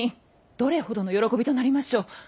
どれほどの喜びとなりましょう。